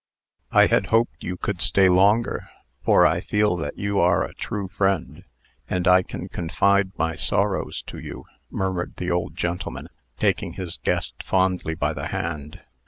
"I had hoped you could stay longer; for I feel that you are a true friend, and I can confide my sorrows to you," murmured the old gentleman, taking his guest fondly by the hand.